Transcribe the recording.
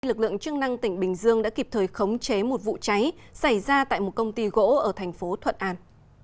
lực lượng chức năng tỉnh bình dương đã kịp thời khống chế một vụ cháy xảy ra tại một công ty gỗ ở thành phố thuận an